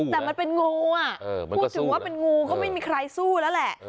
แต่มันเป็นงูอ่ะพูดถึงว่าเป็นงูก็ไม่มีใครสู้แล้วแหละ